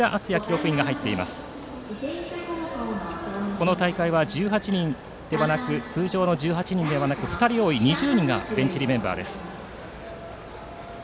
この大会は通常の１８人ではなく２人多い２０人がベンチ入りメンバーです。